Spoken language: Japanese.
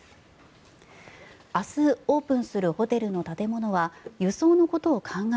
明日、オープンするホテルの建物は輸送のことを考え